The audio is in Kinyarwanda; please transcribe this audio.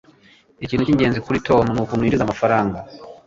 ikintu cyingenzi kuri tom nukuntu yinjiza amafaranga